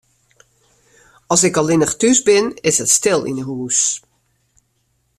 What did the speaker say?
As ik allinnich thús bin, is it stil yn 'e hûs.